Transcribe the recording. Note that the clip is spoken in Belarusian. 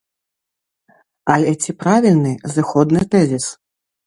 Але ці правільны зыходны тэзіс?